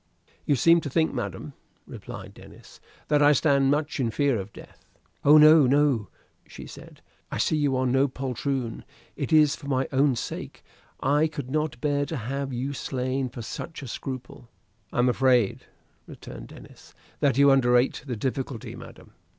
"You seem to think, madam," replied Denis, "that I stand much in fear of death." "Oh, no, no," she said, "I see you are no poltroon. It is for my own sake I could not bear to have you slain for such a scruple." "I am afraid," returned Denis, "that you underrate the difficulty, madam.